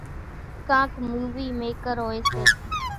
ڪانڪ مُووِي ميڪر هوئيَ سي۔